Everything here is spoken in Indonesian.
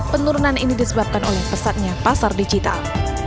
penurunan ini disebabkan oleh pesatnya pasar digital